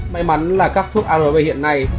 may mắn là các thuốc arv hiện nay